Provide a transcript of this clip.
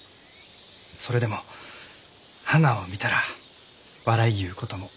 それでも花を見たら笑いゆうことも。